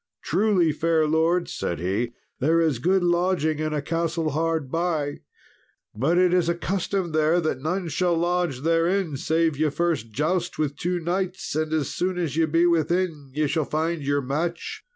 "Truly, fair lords," said he, "there is good lodging in a castle hard by, but it is a custom there that none shall lodge therein save ye first joust with two knights, and as soon as ye be within, ye shall find your match."